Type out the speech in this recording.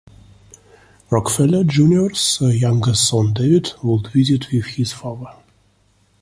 Rockefeller Junior's youngest son David would visit with his father.